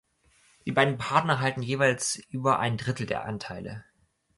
Die beiden Partner halten jeweils über ein Drittel der Anteile.